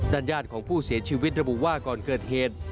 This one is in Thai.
ญาติของผู้เสียชีวิตระบุว่าก่อนเกิดเหตุ